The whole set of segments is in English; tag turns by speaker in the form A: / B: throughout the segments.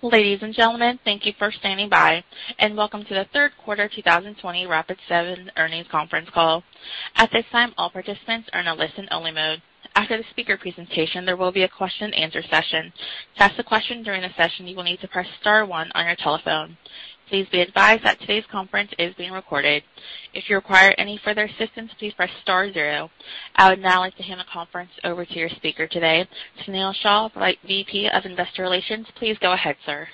A: Ladies and gentlemen, thank you for standing by, and welcome to the Third Quarter 2020 Rapid7 Earnings Conference Call. At this time, all participants are in a listen-only mode. After the speaker presentation, there will be a question-and-answer session. To ask a question during the session, you will need to press star one on your telephone. Please be advised that today's conference is being recorded. If you require any further assistance, please press star zero. I would now like to hand the conference over to your speaker today, Sunil Shah, VP of Investor Relations. Please go ahead, sir.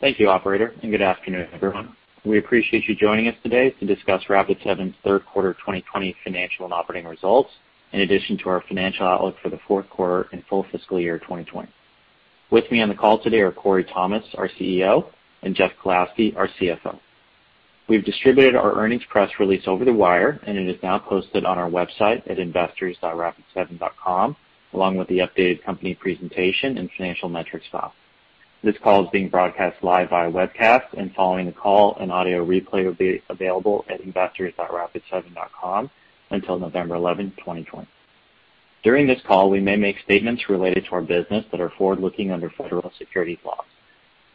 B: Thank you, operator, and good afternoon, everyone. We appreciate you joining us today to discuss Rapid7's third quarter 2020 financial and operating results in addition to our financial outlook for the fourth quarter and full fiscal year 2020. With me on the call today are Corey Thomas, our CEO, and Jeff Kalowski, our CFO. We've distributed our earnings press release over the wire, and it is now posted on our website at investors.rapid7.com, along with the updated company presentation and financial metrics file. This call is being broadcast live via webcast, and following the call, an audio replay will be available at investors.rapid7.com until November 11, 2020. During this call, we may make statements related to our business that are forward-looking under federal securities laws.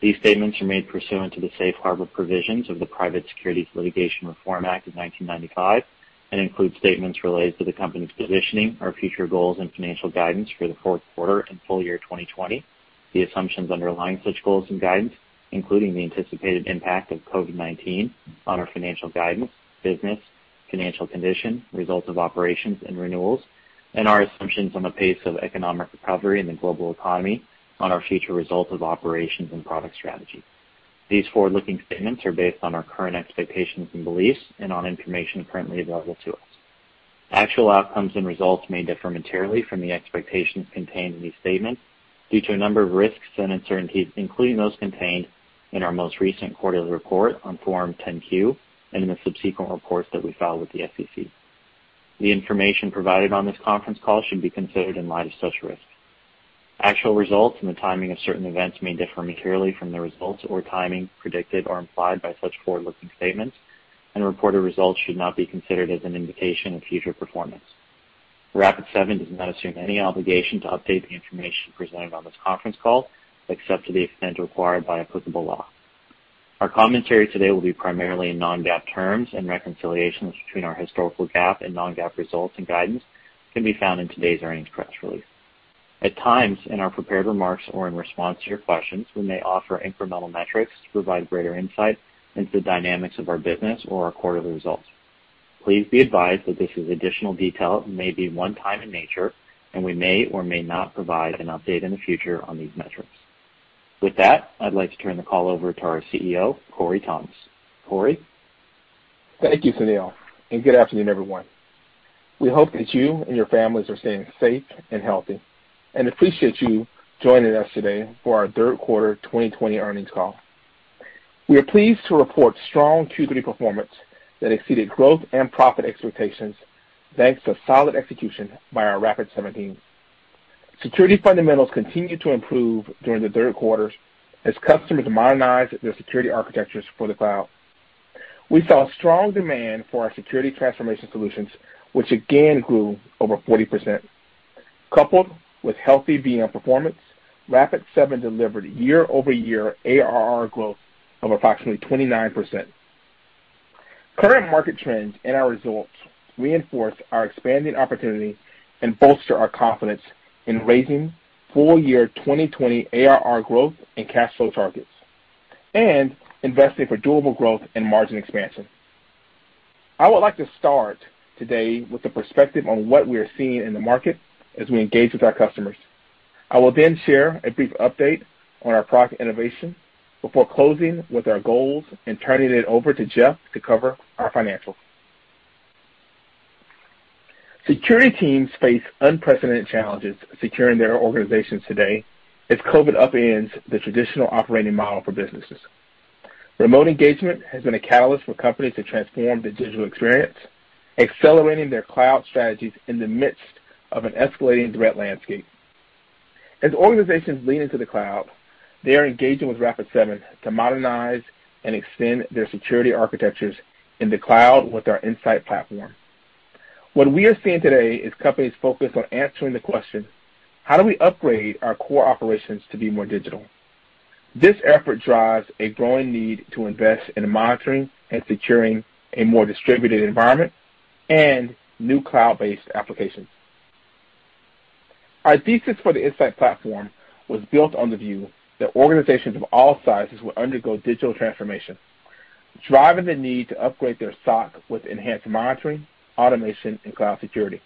B: These statements are made pursuant to the safe harbor provisions of the Private Securities Litigation Reform Act of 1995 and include statements related to the company's positioning, our future goals, and financial guidance for the fourth quarter and full-year 2020, the assumptions underlying such goals and guidance, including the anticipated impact of COVID-19 on our financial guidance, business, financial condition, results of operations and renewals, and our assumptions on the pace of economic recovery and the global economy on our future results of operations and product strategy. These forward-looking statements are based on our current expectations and beliefs and on information currently available to us. Actual outcomes and results may differ materially from the expectations contained in these statements due to a number of risks and uncertainties, including those contained in our most recent quarterly report on Form 10-Q and in the subsequent reports that we file with the SEC. The information provided on this conference call should be considered in light of such risks. Actual results and the timing of certain events may differ materially from the results or timing predicted or implied by such forward-looking statements, and reported results should not be considered as an indication of future performance. Rapid7 does not assume any obligation to update the information presented on this conference call, except to the extent required by applicable law. Our commentary today will be primarily in non-GAAP terms, and reconciliations between our historical GAAP and non-GAAP results and guidance can be found in today's earnings press release. At times, in our prepared remarks or in response to your questions, we may offer incremental metrics to provide greater insight into the dynamics of our business or our quarterly results. Please be advised that this is additional detail and may be one-time in nature, and we may or may not provide an update in the future on these metrics. With that, I'd like to turn the call over to our CEO, Corey Thomas. Corey?
C: Thank you, Sunil, and good afternoon, everyone. We hope that you and your families are staying safe and healthy and appreciate you joining us today for our third quarter 2020 earnings call. We are pleased to report strong Q3 performance that exceeded growth and profit expectations, thanks to solid execution by our Rapid7 teams. Security fundamentals continued to improve during the third quarter as customers modernized their security architectures for the cloud. We saw strong demand for our security transformation solutions, which again grew over 40%. Coupled with healthy VM performance, Rapid7 delivered year-over-year ARR growth of approximately 29%. Current market trends and our results reinforce our expanding opportunity and bolster our confidence in raising full-year 2020 ARR growth and cash flow targets and investing for durable growth and margin expansion. I would like to start today with a perspective on what we are seeing in the market as we engage with our customers. I will then share a brief update on our product innovation before closing with our goals and turning it over to Jeff to cover our financials. Security teams face unprecedented challenges securing their organizations today as COVID upends the traditional operating model for businesses. Remote engagement has been a catalyst for companies to transform the digital experience, accelerating their cloud strategies in the midst of an escalating threat landscape. As organizations lean into the cloud, they are engaging with Rapid7 to modernize and extend their security architectures in the cloud with our Insight Platform. What we are seeing today is companies focused on answering the question: how do we upgrade our core operations to be more digital? This effort drives a growing need to invest in monitoring and securing a more distributed environment and new cloud-based applications. Our thesis for the Insight Platform was built on the view that organizations of all sizes would undergo digital transformation, driving the need to upgrade their SOC with enhanced monitoring, automation, and cloud security.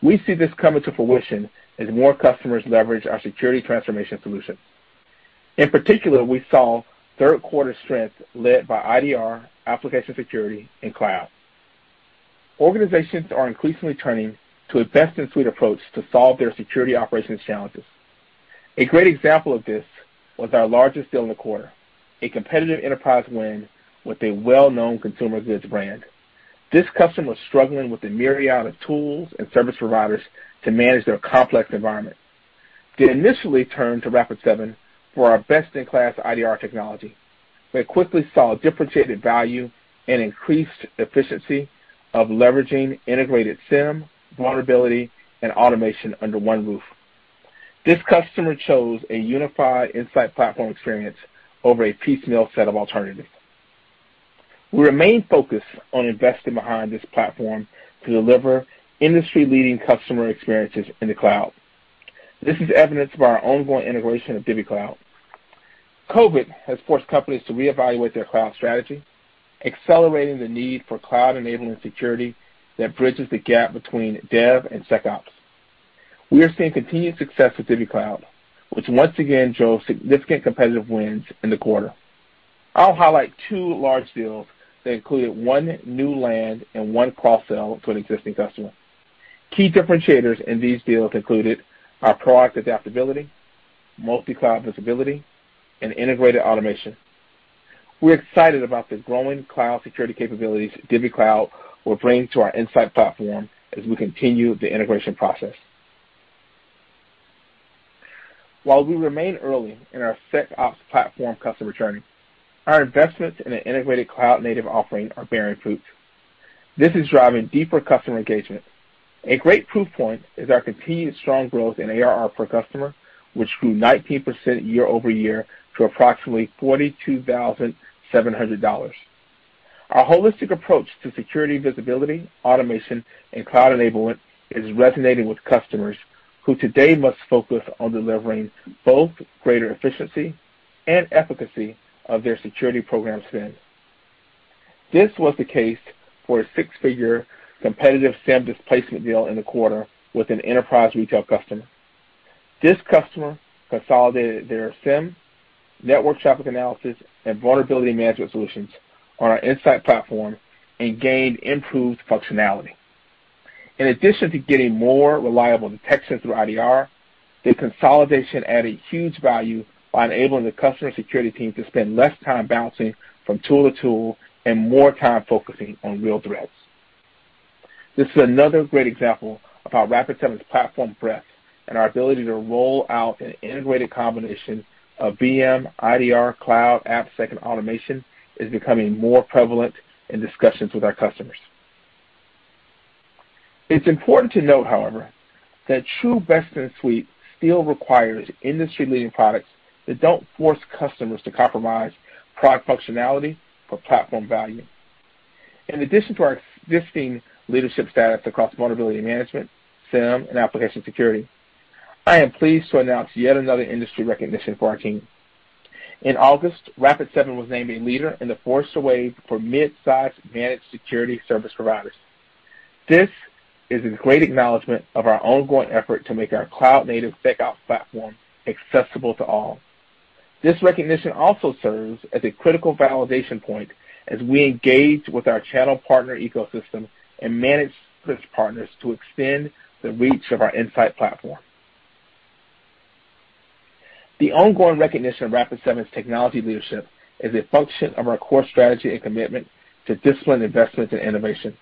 C: We see this coming to fruition as more customers leverage our security transformation solutions. In particular, we saw third quarter strength led by IDR, application security, and cloud. Organizations are increasingly turning to a best-in-suite approach to solve their security operations challenges. A great example of this was our largest deal in the quarter, a competitive enterprise win with a well-known consumer goods brand. This customer was struggling with the myriad of tools and service providers to manage their complex environment. They initially turned to Rapid7 for our best-in-class IDR technology. They quickly saw differentiated value and increased efficiency of leveraging integrated SIEM, vulnerability, and automation under one roof. This customer chose a unified Insight Platform experience over a piecemeal set of alternatives. We remain focused on investing behind this platform to deliver industry-leading customer experiences in the cloud. This is evidence of our ongoing integration of DivvyCloud. COVID has forced companies to reevaluate their cloud strategy, accelerating the need for cloud-enabling security that bridges the gap between dev and SecOps. We are seeing continued success with DivvyCloud, which once again drove significant competitive wins in the quarter. I'll highlight two large deals that included one new land and one cross-sell to an existing customer. Key differentiators in these deals included our product adaptability, multi-cloud visibility, and integrated automation. We're excited about the growing cloud security capabilities DivvyCloud will bring to our Insight Platform as we continue the integration process. While we remain early in our SecOps platform customer journey, our investments in an integrated cloud-native offering are bearing fruit. This is driving deeper customer engagement. A great proof point is our continued strong growth in ARR per customer, which grew 19% year-over-year to approximately $42,700. Our holistic approach to security visibility, automation, and cloud enablement is resonating with customers who today must focus on delivering both greater efficiency and efficacy of their security program spend. This was the case for a six-figure competitive SIEM displacement deal in the quarter with an enterprise retail customer. This customer consolidated their SIEM, Network Traffic Analysis, and vulnerability management solutions on our Insight Platform and gained improved functionality. In addition to getting more reliable detection through IDR, the consolidation added huge value by enabling the customer security team to spend less time bouncing from tool to tool and more time focusing on real threats. This is another great example of how Rapid7's platform breadth and our ability to roll out an integrated combination of VM, IDR, cloud, AppSec, and automation is becoming more prevalent in discussions with our customers. It's important to note, however, that true best-in-suite still requires industry-leading products that don't force customers to compromise product functionality for platform value. In addition to our existing leadership status across vulnerability management, SIEM, and application security, I am pleased to announce yet another industry recognition for our team. In August, Rapid7 was named a leader in the Forrester Wave for midsize managed security service providers. This is a great acknowledgment of our ongoing effort to make our cloud-native SecOps platform accessible to all. This recognition also serves as a critical validation point as we engage with our channel partner ecosystem and managed service partners to extend the reach of our Insight Platform. The ongoing recognition of Rapid7's technology leadership is a function of our core strategy and commitment to disciplined investment and innovation.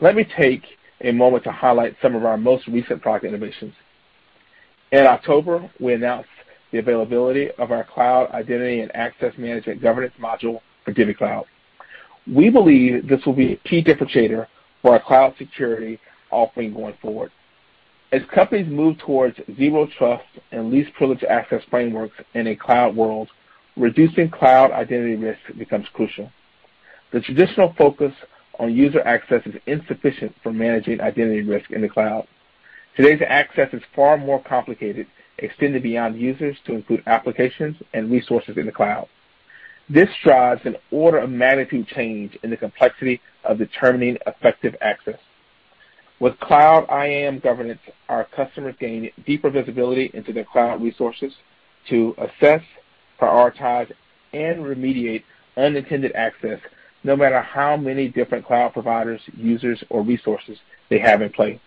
C: Let me take a moment to highlight some of our most recent product innovations. In October, we announced the availability of our Cloud IAM Governance module for DivvyCloud. We believe this will be a key differentiator for our cloud security offering going forward. As companies move towards zero trust and least privileged access frameworks in a cloud world, reducing cloud identity risk becomes crucial. The traditional focus on user access is insufficient for managing identity risk in the cloud. Today's access is far more complicated, extending beyond users to include applications and resources in the cloud. This drives an order of magnitude change in the complexity of determining effective access. With Cloud IAM Governance, our customers gain deeper visibility into their cloud resources to assess, prioritize, and remediate unintended access, no matter how many different cloud providers, users, or resources they have in play.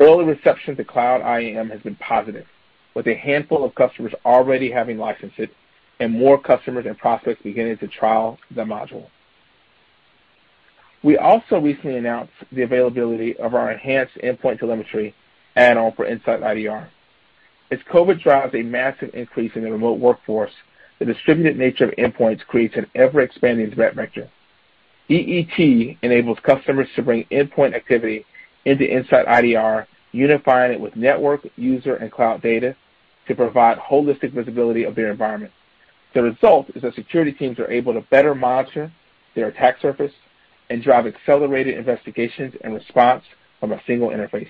C: Early reception to Cloud IAM has been positive, with a handful of customers already having licensed it and more customers and prospects beginning to trial the module. We also recently announced the availability of our Enhanced Endpoint Telemetry add-on for InsightIDR. As COVID drives a massive increase in the remote workforce, the distributed nature of endpoints creates an ever-expanding threat vector. EET enables customers to bring endpoint activity into InsightIDR, unifying it with network, user, and cloud data to provide holistic visibility of their environment. The result is that security teams are able to better monitor their attack surface and drive accelerated investigations and response from a single interface.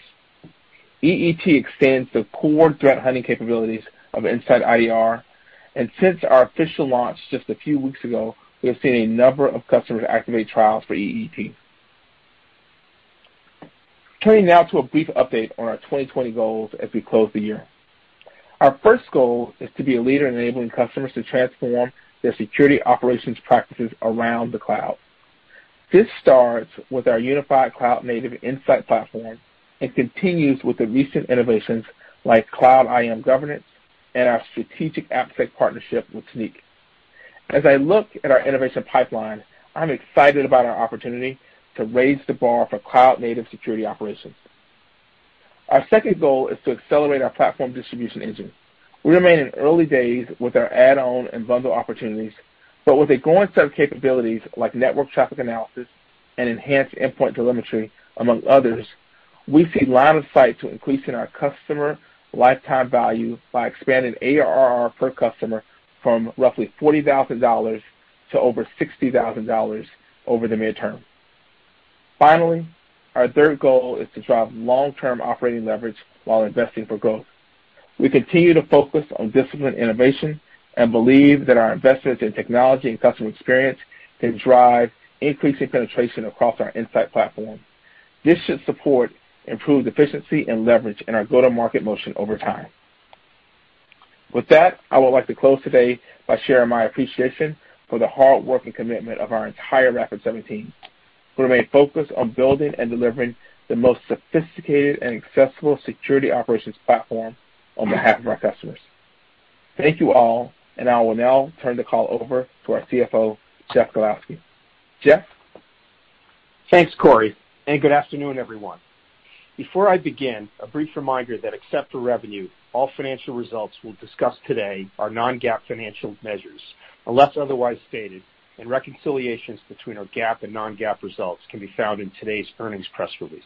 C: EET extends the core threat hunting capabilities of InsightIDR, and since our official launch just a few weeks ago, we have seen a number of customers activate trials for EET. Turning now to a brief update on our 2020 goals as we close the year. Our first goal is to be a leader in enabling customers to transform their security operations practices around the cloud. This starts with our unified cloud-native Insight Platform and continues with the recent innovations like Cloud IAM Governance and our strategic AppSec partnership with Snyk. As I look at our innovation pipeline, I'm excited about our opportunity to raise the bar for cloud-native security operations. Our second goal is to accelerate our platform distribution engine. We remain in early days with our add-on and bundle opportunities, but with a growing set of capabilities like Network Traffic Analysis and Enhanced Endpoint Telemetry, among others, we see line of sight to increasing our customer lifetime value by expanding ARR per customer from roughly $40,000 to over $60,000 over the midterm. Finally, our third goal is to drive long-term operating leverage while investing for growth. We continue to focus on disciplined innovation and believe that our investments in technology and customer experience can drive increasing penetration across our Insight Platform. This should support improved efficiency and leverage in our go-to-market motion over time. With that, I would like to close today by sharing my appreciation for the hard work and commitment of our entire Rapid7 team, who remain focused on building and delivering the most sophisticated and accessible security operations platform on behalf of our customers. Thank you all. I will now turn the call over to our CFO, Jeff Kalowski. Jeff?
D: Thanks, Corey, and good afternoon, everyone. Before I begin, a brief reminder that except for revenue, all financial results we'll discuss today are non-GAAP financial measures, unless otherwise stated, and reconciliations between our GAAP and non-GAAP results can be found in today's earnings press release.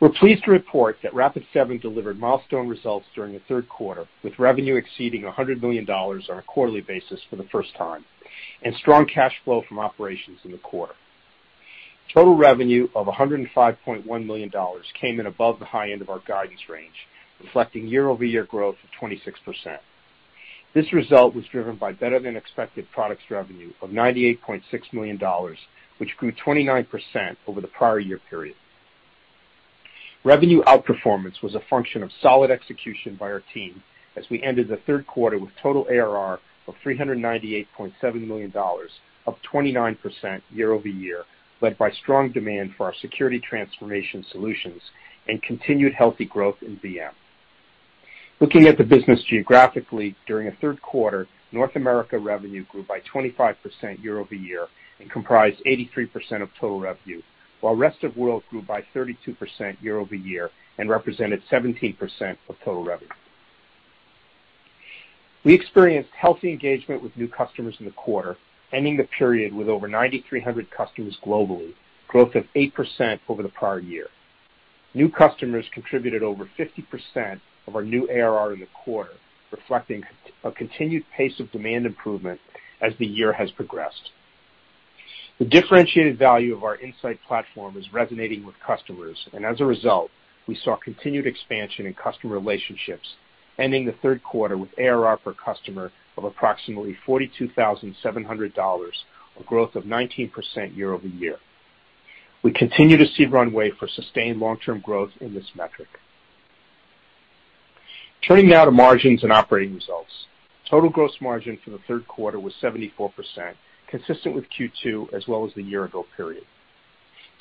D: We're pleased to report that Rapid7 delivered milestone results during the third quarter, with revenue exceeding $100 million on a quarterly basis for the first time, and strong cash flow from operations in the quarter. Total revenue of $105.1 million came in above the high end of our guidance range, reflecting year-over-year growth of 26%. This result was driven by better-than-expected products revenue of $98.6 million, which grew 29% over the prior year period. Revenue outperformance was a function of solid execution by our team as we ended the third quarter with total ARR of $398.7 million, up 29% year-over-year, led by strong demand for our security transformation solutions and continued healthy growth in VM. Looking at the business geographically, during the third quarter, North America revenue grew by 25% year-over-year and comprised 83% of total revenue, while rest of world grew by 32% year-over-year and represented 17% of total revenue. We experienced healthy engagement with new customers in the quarter, ending the period with over 9,300 customers globally, growth of 8% over the prior year. New customers contributed over 50% of our new ARR in the quarter, reflecting a continued pace of demand improvement as the year has progressed. The differentiated value of our Insight Platform is resonating with customers, and as a result, we saw continued expansion in customer relationships, ending the third quarter with ARR per customer of approximately $42,700, a growth of 19% year-over-year. We continue to see runway for sustained long-term growth in this metric. Turning now to margins and operating results. Total gross margin for the third quarter was 74%, consistent with Q2 as well as the year-ago period.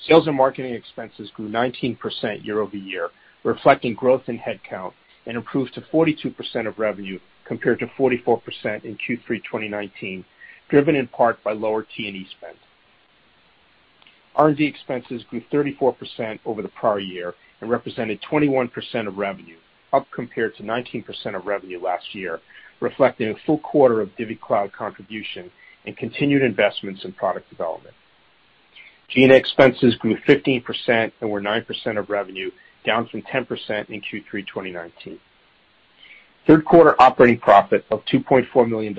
D: Sales and marketing expenses grew 19% year-over-year, reflecting growth in head count and improved to 42% of revenue compared to 44% in Q3 2019, driven in part by lower T&E spend. R&D expenses grew 34% over the prior year and represented 21% of revenue, up compared to 19% of revenue last year, reflecting a full quarter of DivvyCloud contribution and continued investments in product development. G&A expenses grew 15% and were 9% of revenue, down from 10% in Q3 2019. Third quarter operating profit of $2.4 million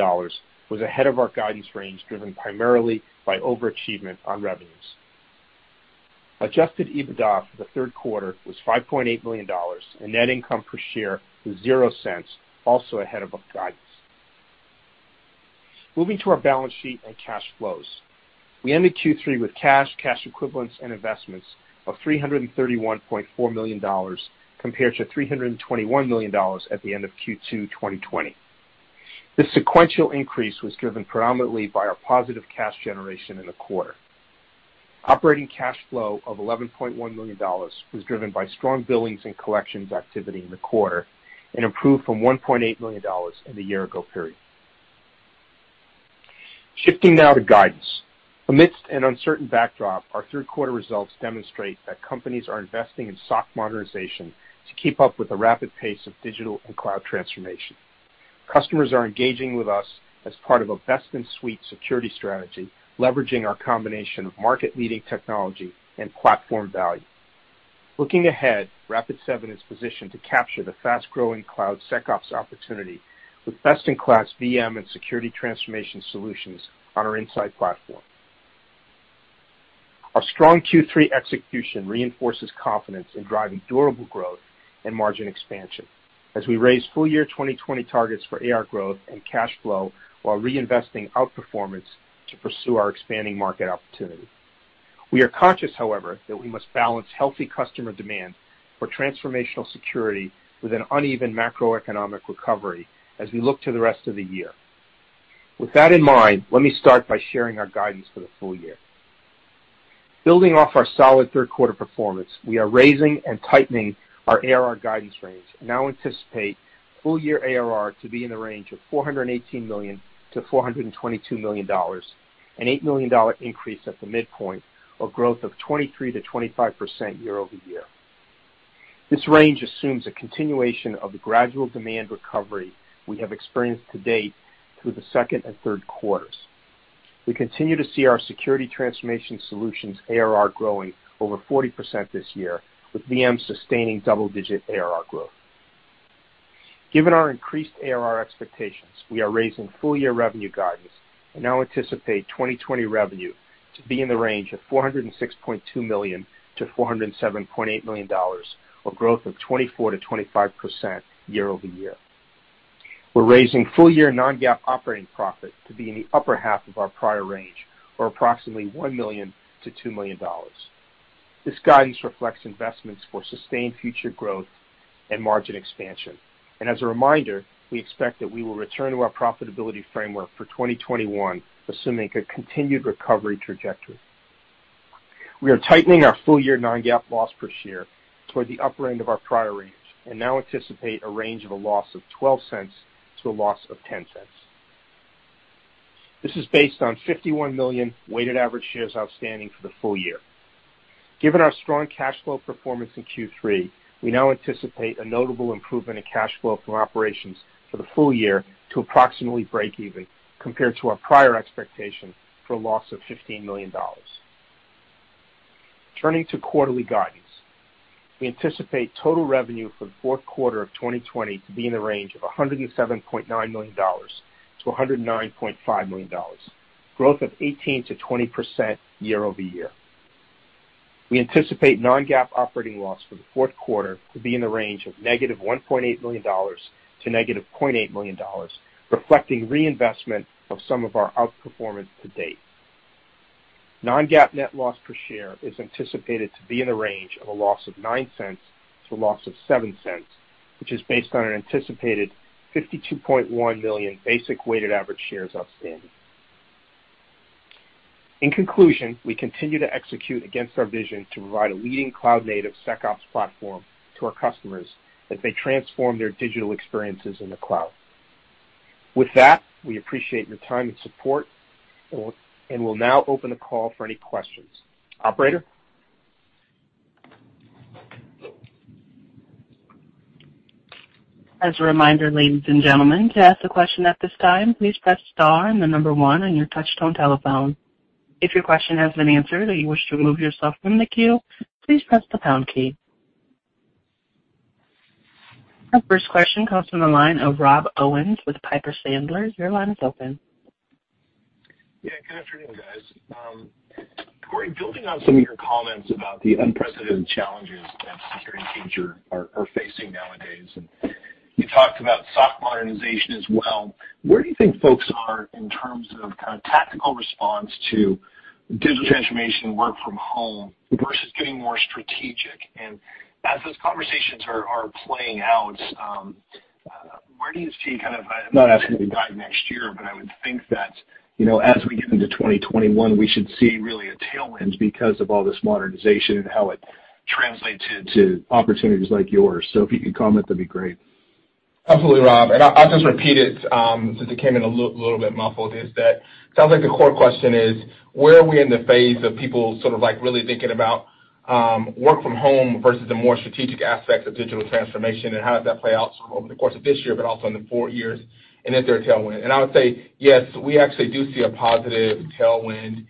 D: was ahead of our guidance range, driven primarily by overachievement on revenues. Adjusted EBITDA for the third quarter was $5.8 million, and net income per share was $0.00, also ahead of our guidance. Moving to our balance sheet and cash flows. We ended Q3 with cash equivalents, and investments of $331.4 million, compared to $321 million at the end of Q2 2020. This sequential increase was driven predominantly by our positive cash generation in the quarter. Operating cash flow of $11.1 million was driven by strong billings and collections activity in the quarter and improved from $1.8 million in the year-ago period. Shifting now to guidance. Amidst an uncertain backdrop, our third quarter results demonstrate that companies are investing in SOC modernization to keep up with the rapid pace of digital and cloud transformation. Customers are engaging with us as part of a best-in-suite security strategy, leveraging our combination of market-leading technology and platform value. Looking ahead, Rapid7 is positioned to capture the fast-growing cloud SecOps opportunity with best-in-class VM and security transformation solutions on our Insight Platform. Our strong Q3 execution reinforces confidence in driving durable growth and margin expansion as we raise full-year 2020 targets for ARR growth and cash flow while reinvesting outperformance to pursue our expanding market opportunity. We are conscious, however, that we must balance healthy customer demand for transformational security with an uneven macroeconomic recovery as we look to the rest of the year. With that in mind, let me start by sharing our guidance for the full-year. Building off our solid third quarter performance, we are raising and tightening our ARR guidance range and now anticipate full-year ARR to be in the range of $418 million to $422 million, an $8 million increase at the midpoint, or growth of 23%-25% year-over-year. This range assumes a continuation of the gradual demand recovery we have experienced to date through the second and third quarters. We continue to see our security transformation solutions ARR growing over 40% this year, with VM sustaining double-digit ARR growth. Given our increased ARR expectations, we are raising full-year revenue guidance and now anticipate 2020 revenue to be in the range of $406.2 million to $407.8 million, or growth of 24%-25% year-over-year. We're raising full-year non-GAAP operating profit to be in the upper half of our prior range, or approximately $1 million to $2 million. This guidance reflects investments for sustained future growth and margin expansion. As a reminder, we expect that we will return to our profitability framework for 2021, assuming a continued recovery trajectory. We are tightening our full-year non-GAAP loss per share toward the upper end of our prior range and now anticipate a range of a loss of $0.12 to a loss of $0.10. This is based on 51 million weighted average shares outstanding for the full-year. Given our strong cash flow performance in Q3, we now anticipate a notable improvement in cash flow from operations for the full-year to approximately break even, compared to our prior expectation for a loss of $15 million. Turning to quarterly guidance. We anticipate total revenue for the fourth quarter of 2020 to be in the range of $107.9 million to $109.5 million, growth of 18%-20% year-over-year. We anticipate non-GAAP operating loss for the fourth quarter to be in the range of negative $1.8 million to negative $0.8 million, reflecting reinvestment of some of our outperformance to date. Non-GAAP net loss per share is anticipated to be in the range of a loss of $0.09 to a loss of $0.07, which is based on an anticipated 52.1 million basic weighted average shares outstanding. In conclusion, we continue to execute against our vision to provide a leading cloud-native SecOps platform to our customers as they transform their digital experiences in the cloud. With that, we appreciate your time and support and will now open the call for any questions. Operator?
A: As a reminder, ladies and gentlemen, to ask a question at this time, please press star and the number one on your touch-tone telephone. If your question has been answered or you wish to remove yourself from the queue, please press the pound key. Our first question comes from the line of Rob Owens with Piper Sandler. Your line is open.
E: Yeah. Good afternoon, guys. Corey, building on some of your comments about the unprecedented challenges that security teams are facing nowadays, and you talked about SOC modernization as well, where do you think folks are in terms of tactical response to digital transformation and work from home versus getting more strategic? As those conversations are playing out, where do you see I'm not asking you to guide next year, but I would think that as we get into 2021, we should see really a tailwind because of all this modernization and how it translates into opportunities like yours. If you could comment, that'd be great.
C: Absolutely, Rob. I'll just repeat it since it came in a little bit muffled, is that it sounds like the core question is where are we in the phase of people sort of really thinking about work from home versus the more strategic aspects of digital transformation and how does that play out over the course of this year but also in the four years, and is there a tailwind? I would say yes, we actually do see a positive tailwind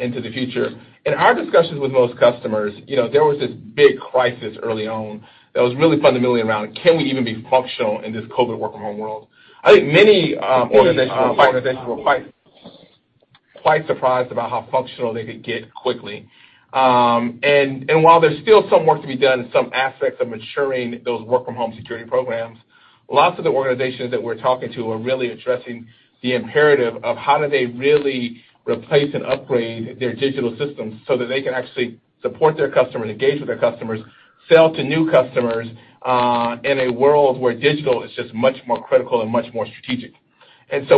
C: into the future. In our discussions with most customers, there was this big crisis early on that was really fundamentally around can we even be functional in this COVID work-from-home world? I think many organizations were quite surprised about how functional they could get quickly. While there's still some work to be done in some aspects of maturing those work-from-home security programs, lots of the organizations that we're talking to are really addressing the imperative of how do they really replace and upgrade their digital systems so that they can actually support their customers, engage with their customers, sell to new customers in a world where digital is just much more critical and much more strategic.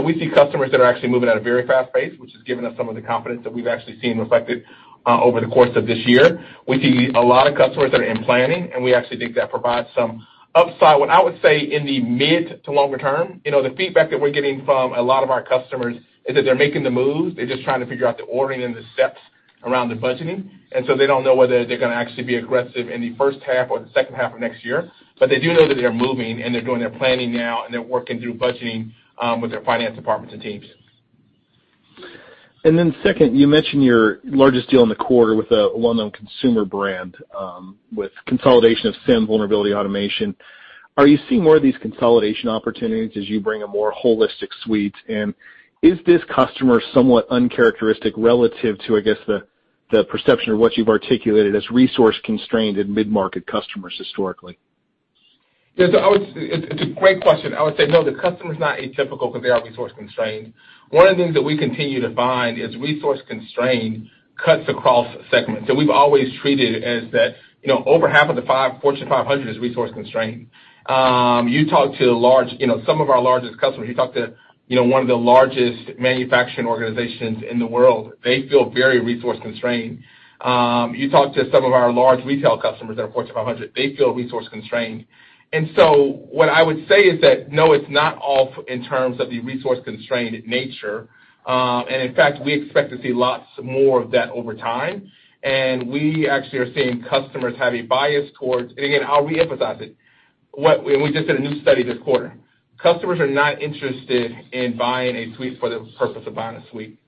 C: We see customers that are actually moving at a very fast pace, which has given us some of the confidence that we've actually seen reflected over the course of this year. We see a lot of customers that are in planning, and we actually think that provides some upside, what I would say, in the mid to longer term. The feedback that we're getting from a lot of our customers is that they're making the move. They're just trying to figure out the ordering and the steps around the budgeting. They don't know whether they're going to actually be aggressive in the first half or the second half of next year. They do know that they're moving, and they're doing their planning now, and they're working through budgeting with their finance departments and teams.
E: Then second, you mentioned your largest deal in the quarter with a well-known consumer brand with consolidation of SIEM vulnerability automation. Are you seeing more of these consolidation opportunities as you bring a more holistic suite? Is this customer somewhat uncharacteristic relative to, I guess, the perception of what you've articulated as resource-constrained and mid-market customers historically?
C: It's a great question. I would say no, the customer is not atypical because they are resource-constrained. One of the things that we continue to find is resource-constrained cuts across segments. We've always treated it as that over half of the Fortune 500 is resource-constrained. You talk to some of our largest customers, you talk to one of the largest manufacturing organizations in the world, they feel very resource-constrained. You talk to some of our large retail customers that are Fortune 500, they feel resource-constrained. What I would say is that, no, it's not off in terms of the resource-constrained nature. In fact, we expect to see lots more of that over time, and we actually are seeing customers have a bias towards again, I'll reemphasize it. We just did a new study this quarter. Customers are not interested in buying a suite for the purpose of buying a suite.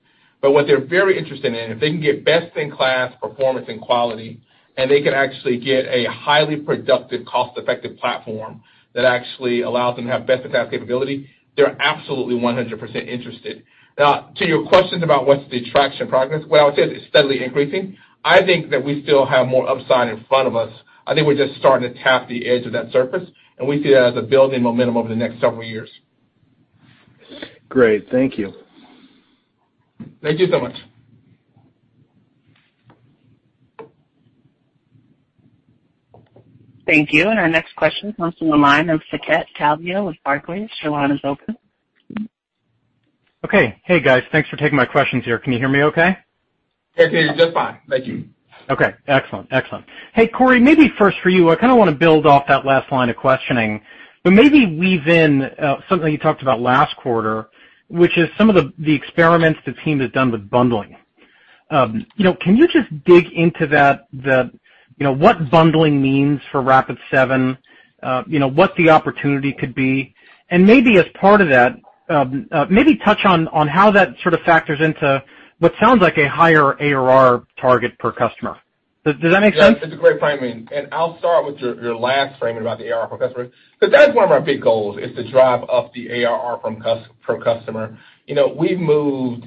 C: What they're very interested in, if they can get best-in-class performance and quality, and they can actually get a highly productive, cost-effective platform that actually allows them to have best-in-class capability, they're absolutely 100% interested. To your questions about what's the traction progress, what I would say is it's steadily increasing. I think that we still have more upside in front of us. I think we're just starting to tap the edge of that surface, and we see that as a building momentum over the next several years.
E: Great. Thank you.
C: Thank you so much.
A: Thank you. Our next question comes from the line of Saket Kalia with Barclays. Your line is open.
F: Okay. Hey, guys. Thanks for taking my questions here. Can you hear me okay?
C: I can. Just fine. Thank you.
F: Okay. Excellent. Hey, Corey, maybe first for you, I want to build off that last line of questioning, maybe weave in something you talked about last quarter, which is some of the experiments the team has done with bundling. Can you just dig into what bundling means for Rapid7, what the opportunity could be, and maybe as part of that, maybe touch on how that sort of factors into what sounds like a higher ARR target per customer? Does that make sense?
C: Yeah, that's a great framing. I'll start with your last framing about the ARR per customer, because that's one of our big goals is to drive up the ARR per customer. We've moved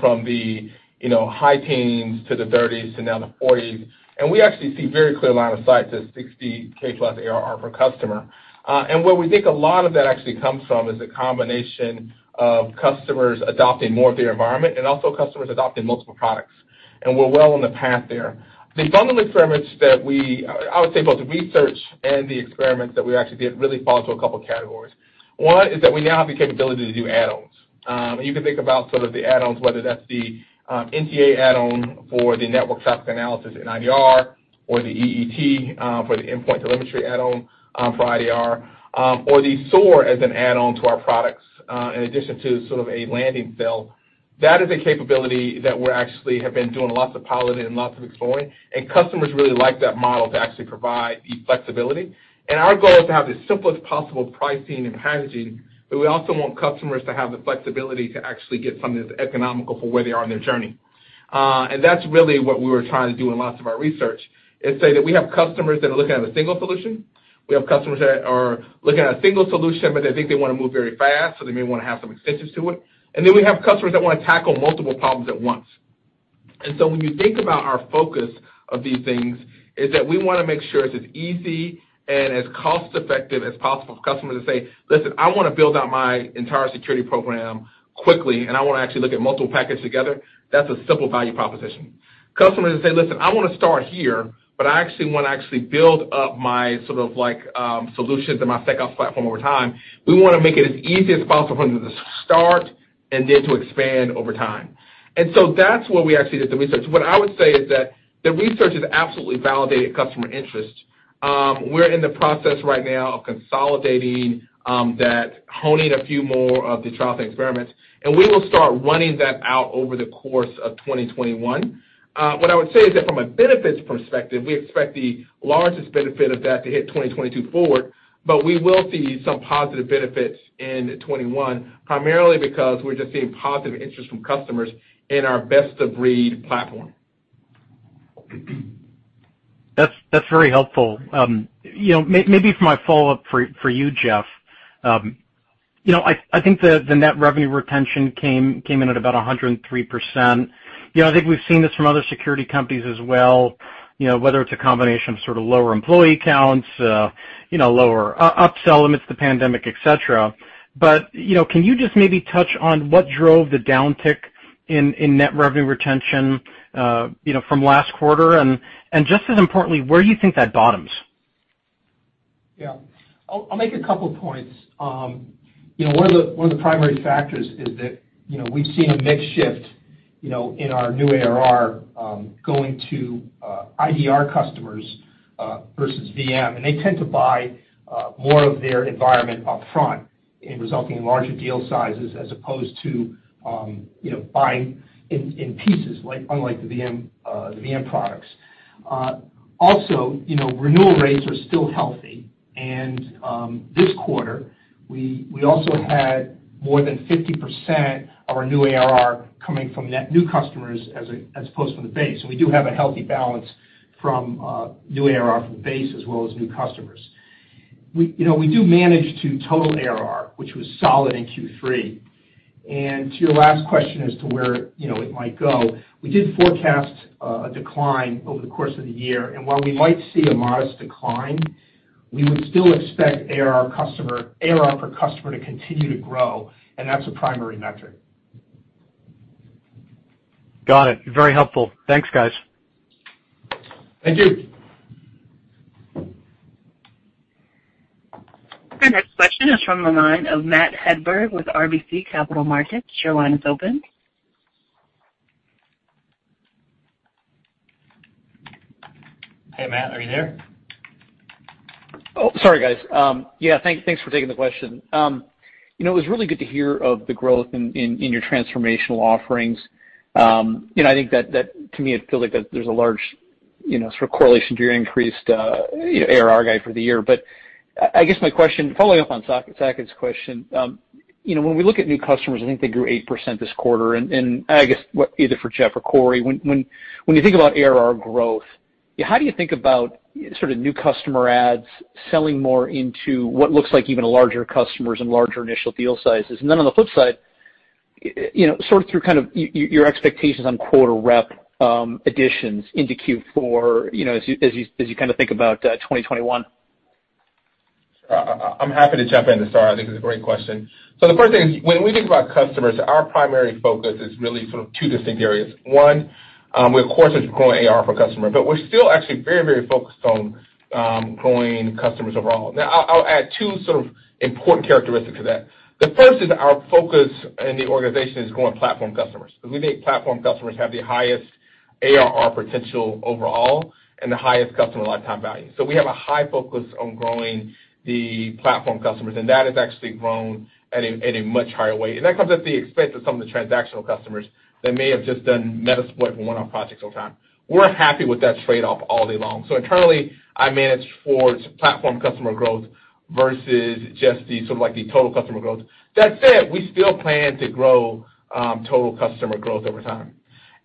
C: from the high teens to the 30s to now the 40s, and we actually see very clear line of sight to $60,000+ ARR per customer. Where we think a lot of that actually comes from is the combination of customers adopting more of their environment and also customers adopting multiple products. We're well on the path there. The bundling experiments that I would say, both the research and the experiments that we actually did really fall into a couple of categories. One is that we now have the capability to do add-ons. You can think about the add-ons, whether that's the NTA add-on for the Network Traffic Analysis in IDR, or the EET for the Endpoint Telemetry add-on for IDR, or the SOAR as an add-on to our products, in addition to sort of a landing bill. That is a capability that we actually have been doing lots of piloting and lots of exploring, and customers really like that model to actually provide the flexibility. Our goal is to have the simplest possible pricing and packaging, but we also want customers to have the flexibility to actually get something that's economical for where they are in their journey. That's really what we were trying to do in lots of our research, is say that we have customers that are looking at a single solution. We have customers that are looking at a single solution, but they think they want to move very fast, so they may want to have some extensions to it. We have customers that want to tackle multiple problems at once. When you think about our focus of these things is that we want to make sure it's as easy and as cost-effective as possible for customers to say, "Listen, I want to build out my entire security program quickly, and I want to actually look at multiple packages together." That's a simple value proposition. Customers say, "Listen, I want to start here, but I actually want to actually build up my solutions and my SecOps platform over time." We want to make it as easy as possible for them to start and then to expand over time. That's where we actually did the research. What I would say is that the research has absolutely validated customer interest. We're in the process right now of consolidating that, honing a few more of the trial experiments, and we will start running that out over the course of 2021. What I would say is that from a benefits perspective, we expect the largest benefit of that to hit 2022 forward, but we will see some positive benefits in 2021, primarily because we're just seeing positive interest from customers in our best-of-breed platform.
F: That's very helpful. Maybe for my follow-up for you, Jeff. I think the net revenue retention came in at about 103%. I think we've seen this from other security companies as well, whether it's a combination of lower employee counts, lower upsell amidst the pandemic, et cetera. Can you just maybe touch on what drove the downtick in net revenue retention from last quarter, and just as importantly, where you think that bottoms?
D: I'll make a couple of points. One of the primary factors is that we've seen a mix shift in our new ARR going to IDR customers versus VM, and they tend to buy more of their environment upfront and resulting in larger deal sizes as opposed to buying in pieces, unlike the VM products. Renewal rates are still healthy, and this quarter, we also had more than 50% of our new ARR coming from net new customers as opposed from the base. We do have a healthy balance from new ARR from the base as well as new customers. We do manage to total ARR, which was solid in Q3. To your last question as to where it might go, we did forecast a decline over the course of the year, and while we might see a modest decline, we would still expect ARR per customer to continue to grow, and that's a primary metric.
F: Got it. Very helpful. Thanks, guys.
C: Thank you.
A: Our next question is from the line of Matt Hedberg with RBC Capital Markets. Your line is open.
D: Hey, Matt, are you there?
G: Oh, sorry, guys. Yeah, thanks for taking the question. It was really good to hear of the growth in your transformational offerings. I think that, to me, it feels like that there's a large sort of correlation to your increased ARR guide for the year. I guess my question, following up on Saket's question, when we look at new customers, I think they grew 8% this quarter and I guess, either for Jeff or Corey, when you think about ARR growth, how do you think about sort of new customer adds selling more into what looks like even larger customers and larger initial deal sizes? On the flip side, sort through your expectations on quarter rep additions into Q4, as you kind of think about 2021.
C: I'm happy to jump in, Matt. I think it's a great question. The first thing is, when we think about customers, our primary focus is really sort of two distinct areas. One, of course, is growing ARR per customer, but we're still actually very focused on growing customers overall. I'll add two sort of important characteristics to that. The first is our focus in the organization is growing platform customers, because we think platform customers have the highest ARR potential overall and the highest customer lifetime value. We have a high focus on growing the platform customers, and that has actually grown at a much higher way. That comes at the expense of some of the transactional customers that may have just done Metasploit and one-off projects over time. We're happy with that trade-off all day long. Internally, I manage for platform customer growth versus just the sort of total customer growth. That said, we still plan to grow total customer growth over time.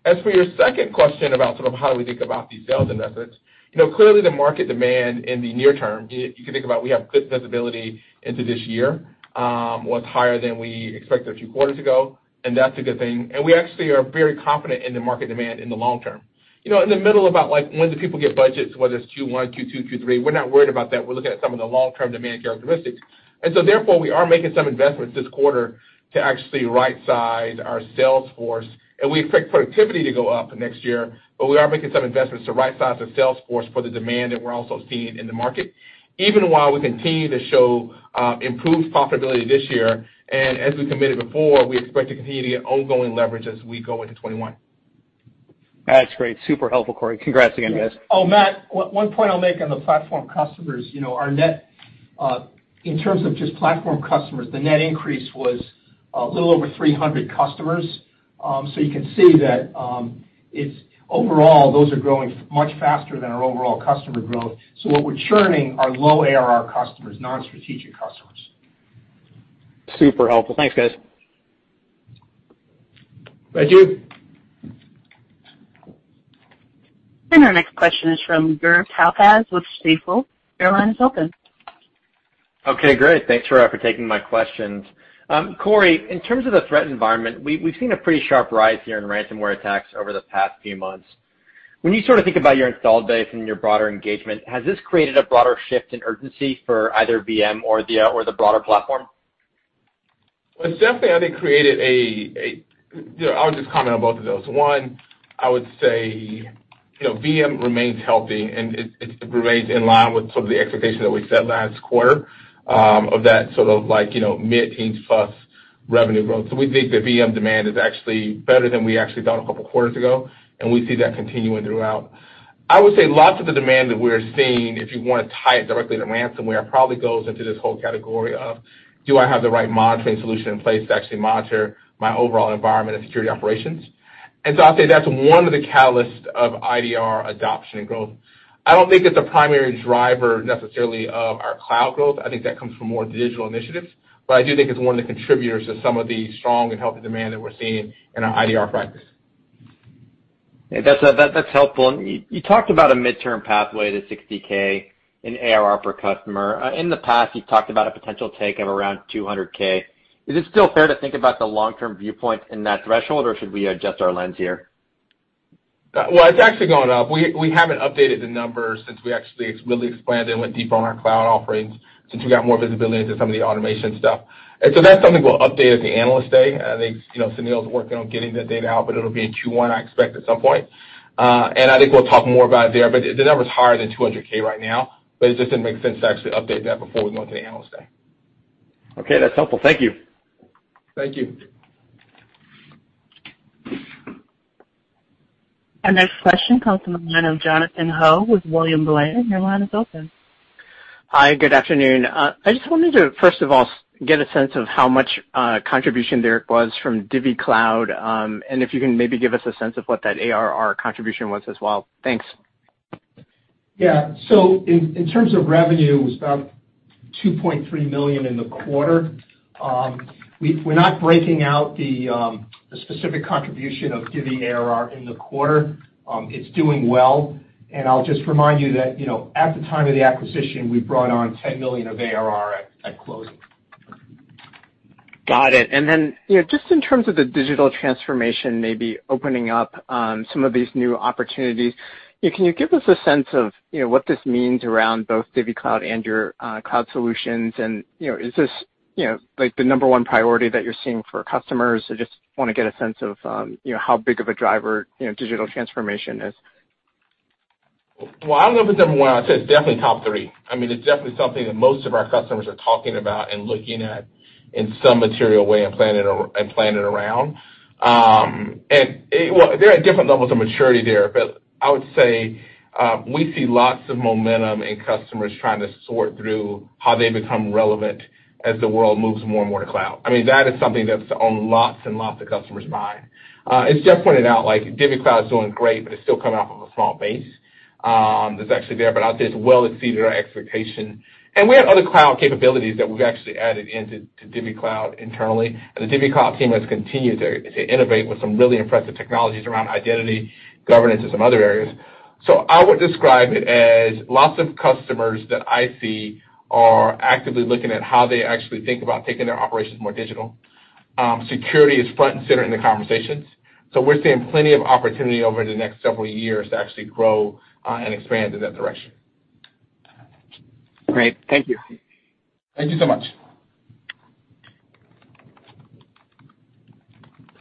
C: As for your second question about how we think about these sales investments, clearly the market demand in the near term, you can think about we have good visibility into this year, was higher than we expected a few quarters ago, and that's a good thing. We actually are very confident in the market demand in the long term. In the middle about when do people get budgets, whether it's Q1, Q2, Q3, we're not worried about that. We're looking at some of the long-term demand characteristics. Therefore, we are making some investments this quarter to actually rightsize our sales force. We expect productivity to go up next year, but we're making some investments to rightsize the sales force for the demand that we're also seeing in the market, even while we continue to show improved profitability this year. As we committed before, we expect to continue to get ongoing leverage as we go into 2021.
G: That's great. Super helpful, Corey. Congrats again, guys.
D: Matt, one point I'll make on the platform customers. In terms of just platform customers, the net increase was a little over 300 customers. You can see that overall, those are growing much faster than our overall customer growth. What we're churning are low ARR customers, non-strategic customers.
G: Super helpful. Thanks, guys.
C: Thank you.
A: Our next question is from Gurjoat Singh Kalsi with Stifel. Your line is open.
H: Okay, great. Thanks for taking my questions. Corey, in terms of the threat environment, we've seen a pretty sharp rise here in ransomware attacks over the past few months. When you sort of think about your installed base and your broader engagement, has this created a broader shift in urgency for either VM or the broader platform?
C: It's definitely created a I'll just comment on both of those. One, I would say VM remains healthy, and it remains in line with some of the expectations that we set last quarter of that sort of mid-teens plus revenue growth. We think the VM demand is actually better than we actually thought a couple of quarters ago, and we see that continuing throughout. I would say lots of the demand that we're seeing, if you want to tie it directly to ransomware, probably goes into this whole category of, do I have the right monitoring solution in place to actually monitor my overall environment and security operations? I'll say that's one of the catalysts of IDR adoption and growth. I don't think it's a primary driver necessarily of our cloud growth. I think that comes from more digital initiatives, but I do think it's one of the contributors to some of the strong and healthy demand that we're seeing in our IDR practice.
H: That's helpful. You talked about a midterm pathway to $60,000 in ARR per customer. In the past, you've talked about a potential take of around $200,000. Is it still fair to think about the long-term viewpoint in that threshold, or should we adjust our lens here?
C: Well, it's actually gone up. We haven't updated the numbers since we actually really expanded and went deeper on our cloud offerings, since we got more visibility into some of the automation stuff. That's something we'll update at the Analyst Day. I think Sunil's working on getting the data out, but it'll be in Q1, I expect, at some point. I think we'll talk more about it there. The number's higher than 200,000 right now, but it just didn't make sense to actually update that before we went to the Analyst Day.
H: Okay, that's helpful. Thank you.
C: Thank you.
A: Our next question comes from the line of Jonathan Ho with William Blair. Your line is open.
I: Hi, good afternoon. I just wanted to first of all get a sense of how much contribution there was from DivvyCloud, and if you can maybe give us a sense of what that ARR contribution was as well. Thanks.
D: Yeah. In terms of revenue, it was about $2.3 million in the quarter. We're not breaking out the specific contribution of DivvyCloud ARR in the quarter. It's doing well. I'll just remind you that at the time of the acquisition, we brought on $10 million of ARR at closing.
I: Got it. Just in terms of the digital transformation maybe opening up some of these new opportunities, can you give us a sense of what this means around both DivvyCloud and your cloud solutions? Is this the number one priority that you're seeing for customers? I just want to get a sense of how big of a driver digital transformation is.
C: Well, I don't know if it's number one. I would say it's definitely top three. It's definitely something that most of our customers are talking about and looking at in some material way and planning around. Well, there are different levels of maturity there, but I would say we see lots of momentum in customers trying to sort through how they become relevant as the world moves more and more to cloud. That is something that's on lots and lots of customers' minds. As Jeff pointed out, DivvyCloud is doing great, but it's still coming off of a small base that's actually there. I'll say it's well exceeded our expectation. We have other cloud capabilities that we've actually added into DivvyCloud internally. The DivvyCloud team has continued to innovate with some really impressive technologies around identity governance and some other areas. I would describe it as lots of customers that I see are actively looking at how they actually think about taking their operations more digital. Security is front and center in the conversations. We're seeing plenty of opportunity over the next several years to actually grow and expand in that direction.
I: Great. Thank you.
C: Thank you so much.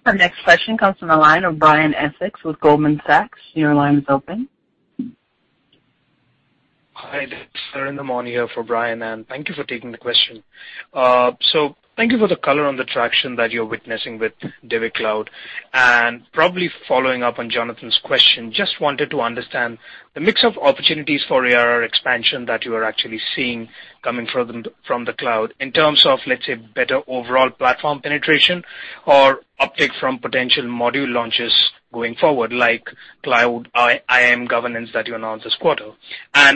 A: Our next question comes from the line of Brian Essex with Goldman Sachs. Your line is open.
J: Hi, Sarin Hamon here for Brian. Thank you for taking the question. Thank you for the color on the traction that you're witnessing with DivvyCloud. Probably following up on Jonathan's question, just wanted to understand the mix of opportunities for ARR expansion that you are actually seeing coming from the cloud in terms of, let's say, better overall platform penetration or uptick from potential module launches going forward, like Cloud IAM Governance that you announced this quarter.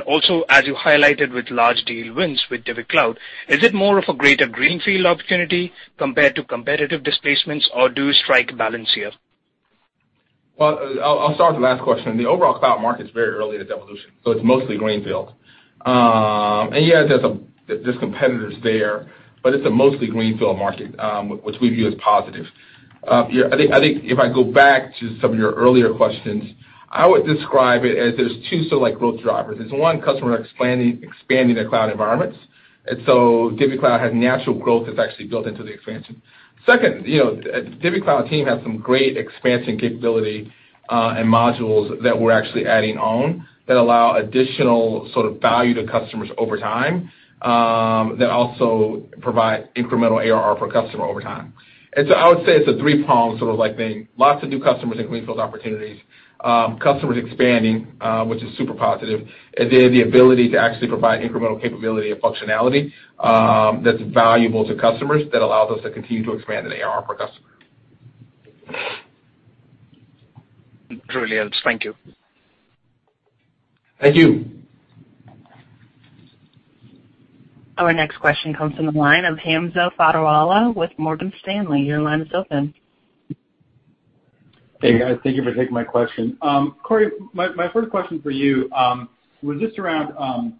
J: Also, as you highlighted with large deal wins with DivvyCloud, is it more of a greater greenfield opportunity compared to competitive displacements, or do you strike a balance here?
C: Well, I'll start with the last question. The overall cloud market is very early in its evolution. It's mostly greenfield. Yeah, there's competitors there, but it's a mostly greenfield market, which we view as positive. I think if I go back to some of your earlier questions, I would describe it as there's two growth drivers. There's one, customer expanding their cloud environments. DivvyCloud has natural growth that's actually built into the expansion. Second, DivvyCloud team has some great expansion capability, and modules that we're actually adding on that allow additional value to customers over time, that also provide incremental ARR per customer over time. I would say it's a three-pronged sort of thing. Lots of new customers and greenfield opportunities, customers expanding, which is super positive, and then the ability to actually provide incremental capability and functionality that's valuable to customers that allows us to continue to expand the ARR per customer.
J: Brilliant. Thank you.
C: Thank you.
A: Our next question comes from the line of Hamza Fodderwala with Morgan Stanley. Your line is open.
K: Hey, guys. Thank you for taking my question. Corey, my first question for you was just around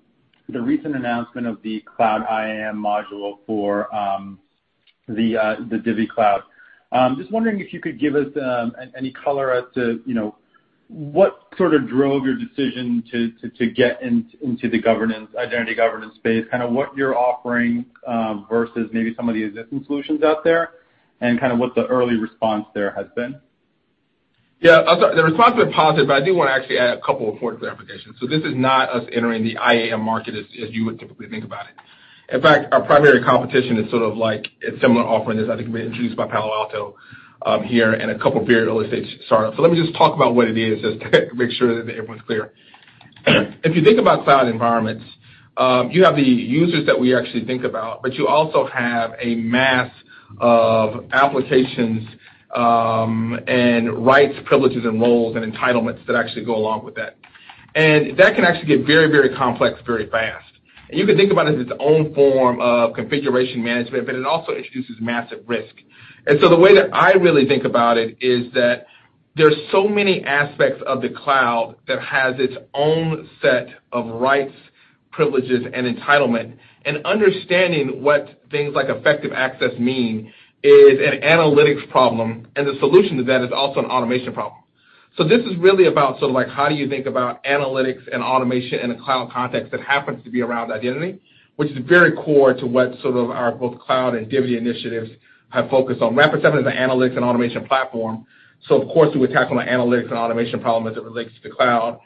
K: the recent announcement of the Cloud IAM module for the DivvyCloud. Just wondering if you could give us any color as to what sort of drove your decision to get into the identity governance space, what you're offering versus maybe some of the existing solutions out there, and what the early response there has been?
C: Yeah. The response has been positive, but I do want to actually add a couple of important clarifications. This is not us entering the IAM market as you would typically think about it. In fact, our primary competition is sort of like a similar offering that I think was introduced by Palo Alto here and a couple of very early-stage startups. Let me just talk about what it is just to make sure that everyone's clear. If you think about cloud environments, you have the users that we actually think about, but you also have a mass of applications and rights, privileges, and roles, and entitlements that actually go along with that. That can actually get very complex very fast. You can think about it as its own form of configuration management, but it also introduces massive risk. The way that I really think about it is that there's so many aspects of the cloud that has its own set of rights, privileges, and entitlement. Understanding what things like effective access mean is an analytics problem, and the solution to that is also an automation problem. This is really about how do you think about analytics and automation in a cloud context that happens to be around identity, which is very core to what both cloud and Divvy initiatives have focused on. Rapid7 is an analytics and automation platform, of course, we would tackle an analytics and automation problem as it relates to cloud.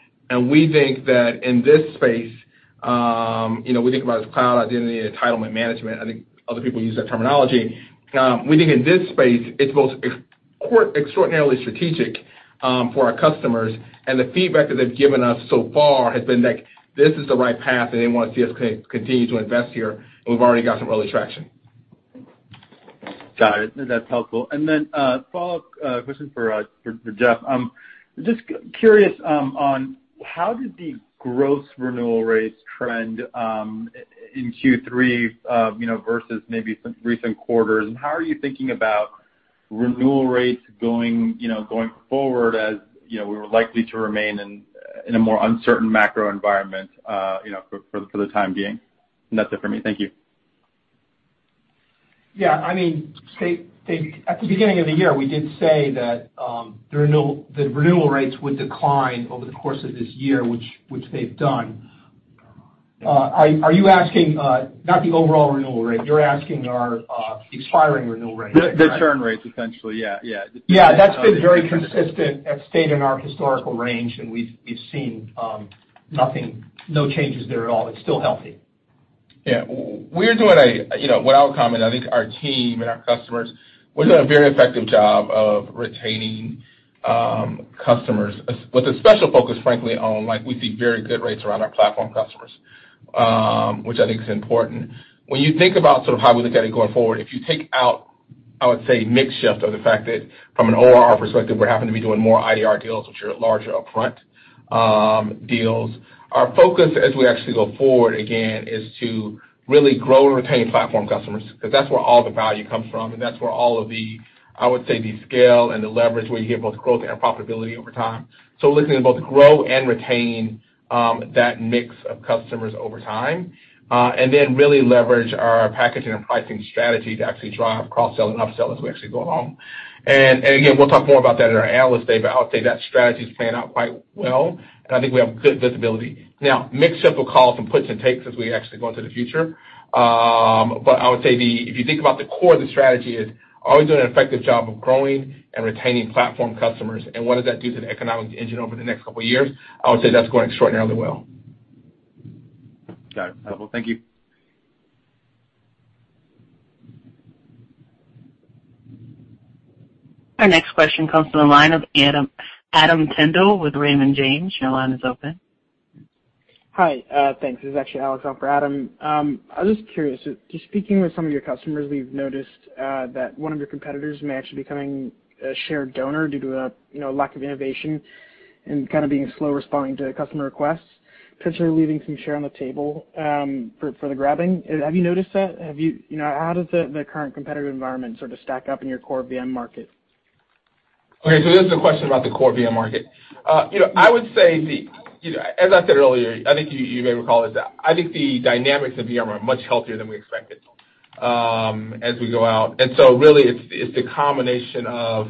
C: We think that in this space, we think about it as cloud identity and entitlement management. I think other people use that terminology. We think in this space, it's both extraordinarily strategic for our customers, and the feedback that they've given us so far has been that this is the right path and they want to see us continue to invest here, and we've already got some early traction.
K: Got it. Then a follow-up question for Jeff. Just curious on how did the gross renewal rates trend in Q3 versus maybe some recent quarters, and how are you thinking about renewal rates going forward as we're likely to remain in a more uncertain macro environment for the time being? That's it for me. Thank you.
D: Yeah. At the beginning of the year, we did say that the renewal rates would decline over the course of this year, which they've done. Are you asking not the overall renewal rate? You're asking our expiring renewal rate, right?
K: The churn rates, essentially. Yeah.
D: Yeah, that's been very consistent. It stayed in our historical range, and we've seen no changes there at all. It's still healthy.
C: Yeah. I'll comment. I think our team and our customers, we've done a very effective job of retaining. With a special focus, frankly, on we see very good rates around our platform customers, which I think is important. When you think about how we look at it going forward, if you take out, I would say, mix shift of the fact that from an NRR perspective, we happen to be doing more InsightIDR deals, which are larger upfront deals. Our focus as we actually go forward, again, is to really grow and retain platform customers, because that's where all the value comes from, and that's where all of the, I would say, the scale and the leverage, where you get both growth and profitability over time. We're looking to both grow and retain that mix of customers over time. Then really leverage our packaging and pricing strategy to actually drive cross-sell and upsell as we actually go along. Again, we'll talk more about that in our analyst day, but I would say that strategy is playing out quite well, and I think we have good visibility. Mix shift will cause some puts and takes as we actually go into the future. I would say, if you think about the core of the strategy is, are we doing an effective job of growing and retaining platform customers, and what does that do to the economic engine over the next couple of years? I would say that's going extraordinarily well.
K: Got it. Thank you.
A: Our next question comes from the line of Adam Tindle with Raymond James. Your line is open.
L: Hi. Thanks. This is actually Alex on for Adam. I was just curious, just speaking with some of your customers, we've noticed that one of your competitors may actually be becoming a share donor due to a lack of innovation and kind of being slow responding to customer requests, potentially leaving some share on the table for the grabbing. Have you noticed that? How does the current competitive environment sort of stack up in your core VM market?
C: Okay, this is a question about the core VM market. I would say As I said earlier, I think you may recall this, I think the dynamics of VM are much healthier than we expected as we go out. Really, it's the combination of,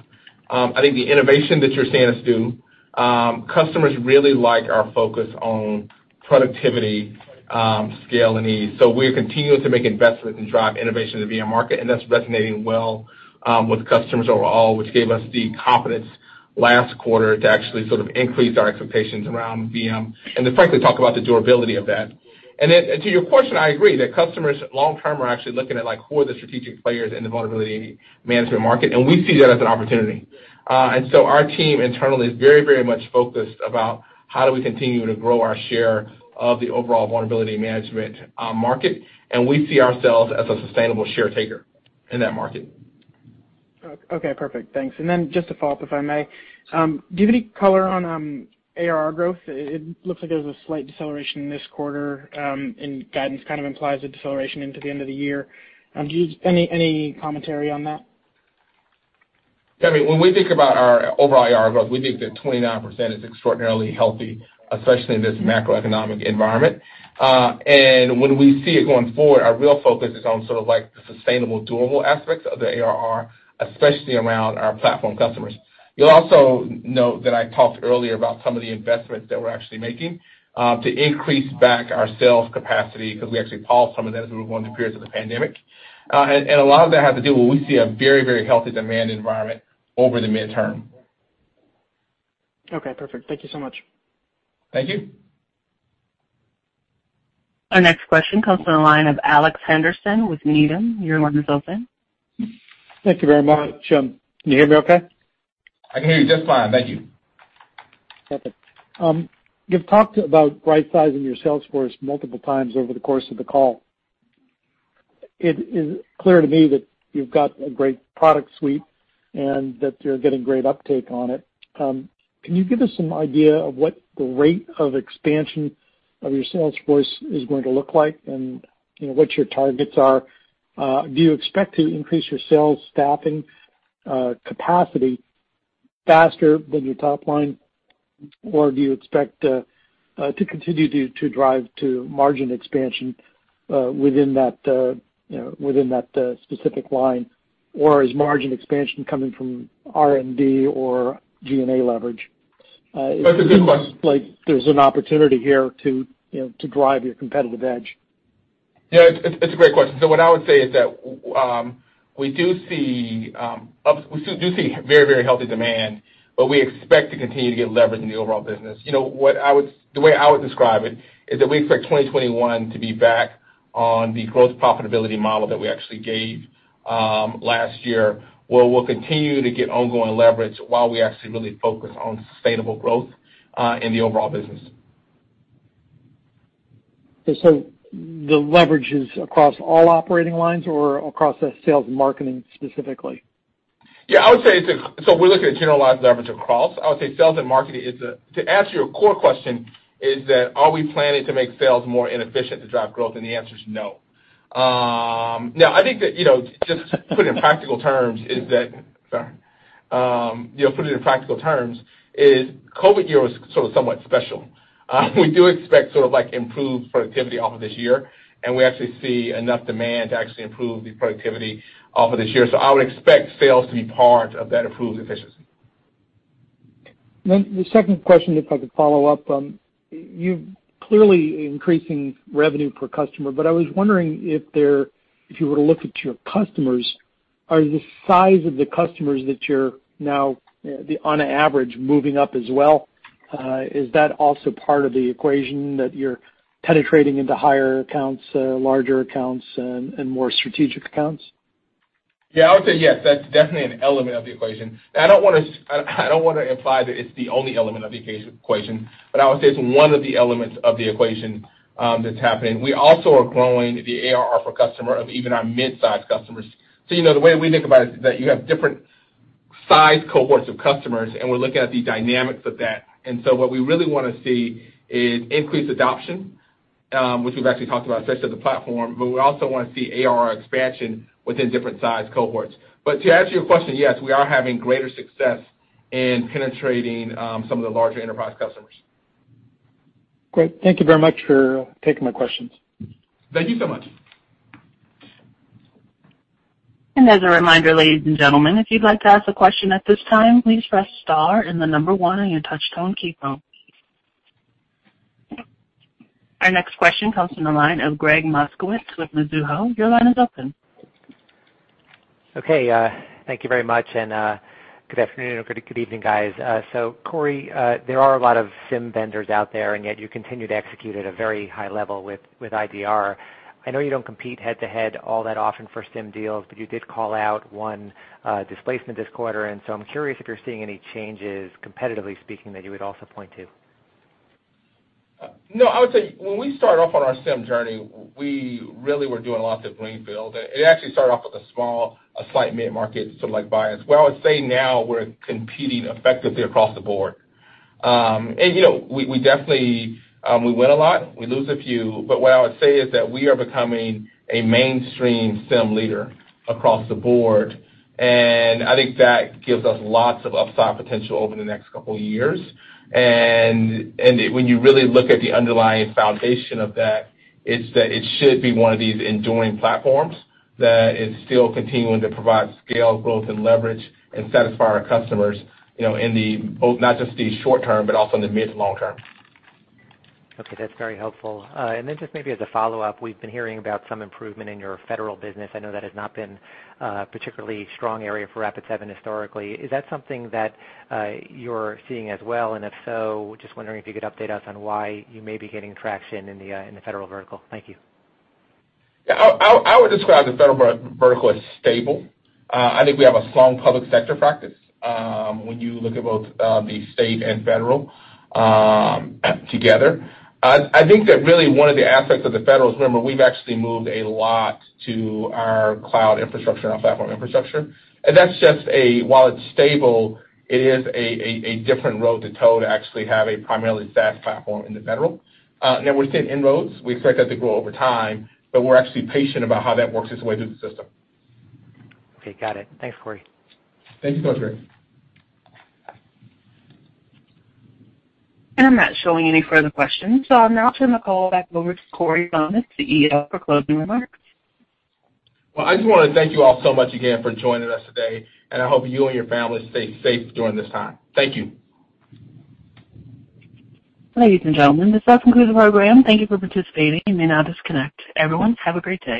C: I think, the innovation that you're seeing us do. Customers really like our focus on productivity, scale, and ease. We're continuing to make investments and drive innovation in the VM market, and that's resonating well with customers overall, which gave us the confidence last quarter to actually sort of increase our expectations around VM and to frankly talk about the durability of that. To your question, I agree that customers long term are actually looking at who are the strategic players in the vulnerability management market, and we see that as an opportunity. Our team internally is very much focused about how do we continue to grow our share of the overall vulnerability management market, and we see ourselves as a sustainable share taker in that market.
L: Okay, perfect. Thanks. Just to follow up, if I may. Do you have any color on ARR growth? It looks like there was a slight deceleration this quarter, and guidance kind of implies a deceleration into the end of the year. Any commentary on that?
C: I mean, when we think about our overall ARR growth, we think that 29% is extraordinarily healthy, especially in this macroeconomic environment. When we see it going forward, our real focus is on sort of the sustainable, durable aspects of the ARR, especially around our platform customers. You'll also note that I talked earlier about some of the investments that we're actually making to increase back our sales capacity because we actually paused some of that as we were going through periods of the pandemic. A lot of that has to do with we see a very healthy demand environment over the midterm.
L: Okay, perfect. Thank you so much.
C: Thank you.
A: Our next question comes from the line of Alex Henderson with Needham. Your line is open.
L: Thank you very much. Can you hear me okay?
C: I can hear you just fine, thank you.
L: Perfect. You've talked about right-sizing your sales force multiple times over the course of the call. It is clear to me that you've got a great product suite and that you're getting great uptake on it. Can you give us some idea of what the rate of expansion of your sales force is going to look like and what your targets are? Do you expect to increase your sales staffing capacity faster than your top line? Do you expect to continue to drive to margin expansion within that specific line? Is margin expansion coming from R&D or G&A leverage?
C: That's a good question.
L: It seems like there's an opportunity here to drive your competitive edge.
C: Yeah, it's a great question. What I would say is that we do see very healthy demand, but we expect to continue to get leverage in the overall business. The way I would describe it is that we expect 2021 to be back on the growth profitability model that we actually gave last year, where we'll continue to get ongoing leverage while we actually really focus on sustainable growth in the overall business.
L: The leverage is across all operating lines or across the sales and marketing specifically?
C: I would say we're looking at generalized leverage across. I would say sales and marketing, to answer your core question, is that are we planning to make sales more inefficient to drive growth? The answer is no. I think that just to put it in practical terms, Sorry. Put it in practical terms is COVID year was sort of somewhat special. We do expect sort of improved productivity off of this year, and we actually see enough demand to actually improve the productivity off of this year. I would expect sales to be part of that improved efficiency.
L: The second question, if I could follow up. You're clearly increasing revenue per customer, but I was wondering if you were to look at your customers, are the size of the customers that you're now on average moving up as well? Is that also part of the equation that you're penetrating into higher accounts, larger accounts, and more strategic accounts?
C: Yeah, I would say yes, that's definitely an element of the equation. I don't want to imply that it's the only element of the equation, but I would say it's one of the elements of the equation that's happening. We also are growing the ARR per customer of even our mid-size customers. The way we think about it is that you have different size cohorts of customers, and we're looking at the dynamics of that. What we really want to see is increased adoption, which we've actually talked about, especially with the platform, but we also want to see ARR expansion within different size cohorts. To answer your question, yes, we are having greater success in penetrating some of the larger enterprise customers.
L: Great. Thank you very much for taking my questions.
C: Thank you so much.
A: As a reminder, ladies and gentlemen, if you'd like to ask a question at this time, please press star and the number one on your touch-tone keypad. Our next question comes from the line of Gregg Moskowitz with Mizuho. Your line is open.
M: Okay, thank you very much, and good afternoon or good evening, guys. Corey, there are a lot of SIEM vendors out there, and yet you continue to execute at a very high level with IDR. I know you don't compete head-to-head all that often for SIEM deals, but you did call out one displacement this quarter in, so I'm curious if you're seeing any changes, competitively speaking, that you would also point to.
C: I would say when we started off on our SIEM journey, we really were doing lots of greenfield. It actually started off with a small, a slight mid-market sort of like bias. I would say now we're competing effectively across the board. We definitely win a lot. We lose a few, but what I would say is that we are becoming a mainstream SIEM leader across the board, and I think that gives us lots of upside potential over the next couple of years. When you really look at the underlying foundation of that, it's that it should be one of these enduring platforms that is still continuing to provide scale, growth, and leverage and satisfy our customers, both not just in the short term but also in the mid-long term.
M: Okay, that's very helpful. Just maybe as a follow-up, we've been hearing about some improvement in your federal business. I know that has not been a particularly strong area for Rapid7 historically. Is that something that you're seeing as well? If so, just wondering if you could update us on why you may be getting traction in the federal vertical. Thank you.
C: Yeah. I would describe the federal vertical as stable. I think we have a strong public sector practice when you look at both the state and federal together. I think that really one of the aspects of the federal is, remember, we've actually moved a lot to our cloud infrastructure and our platform infrastructure. While it's stable, it is a different road to tow to actually have a primarily SaaS platform in the federal. Now we're seeing inroads. We expect that to grow over time, but we're actually patient about how that works its way through the system.
M: Okay, got it. Thanks, Corey.
C: Thank you so much, Gregg.
A: I'm not showing any further questions, so I'll now turn the call back over to Corey Thomas, the CEO, for closing remarks.
C: I just want to thank you all so much again for joining us today, and I hope you and your families stay safe during this time. Thank you.
A: Ladies and gentlemen, this does conclude the program. Thank you for participating. You may now disconnect. Everyone, have a great day.